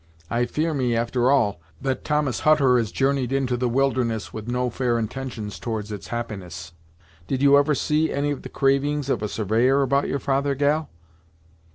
I fear me, after all, that Thomas Hutter has journeyed into the wilderness with no fair intentions towards its happiness. Did you ever see any of the cravings of a surveyor about your father, gal?"